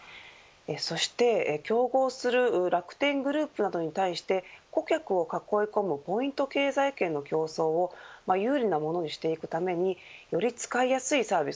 そして競合する楽天グループなどに対して顧客を囲い込むポイント経済圏の競走を優位なものにしていくためにより使いやすいサービス